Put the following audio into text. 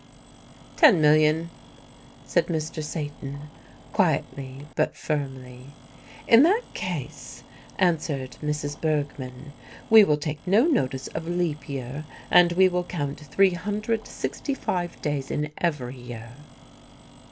"Ten million," said Mr. Satan, quietly but firmly. "In that case," answered Mrs. Bergmann, "we will take no notice of leap year, and we will count 365 days in every year."